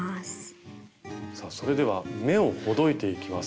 さあそれでは目をほどいていきます。